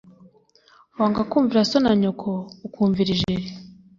wanga kumvira so na nyoko, ukumvira ijeri